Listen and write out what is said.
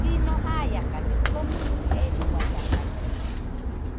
Jɨno baiakade, komɨnɨ eruaiakade.